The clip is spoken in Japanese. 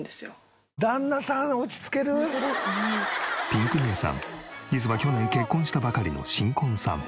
ピンク姉さん実は去年結婚したばかりの新婚さん。